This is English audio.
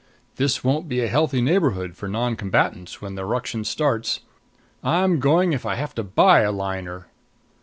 This won't be a healthy neighborhood for non combatants when the ruction starts. I'm going if I have to buy a liner!"